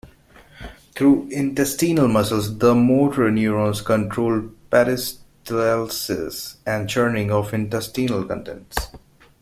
Through intestinal muscles, the motor neurons control peristalsis and churning of intestinal contents.